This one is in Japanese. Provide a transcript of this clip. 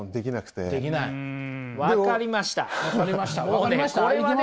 分かりました？